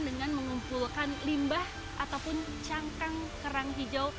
dengan mengumpulkan limbah ataupun cangkang kerang hijau